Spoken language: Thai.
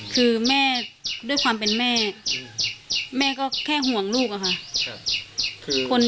คือแม่ด้วยความเป็นแม่แม่ก็แค่ห่วงลูกอะค่ะ